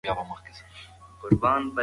مالداران خپلې غواګانې د غره په لمنه کې څروي.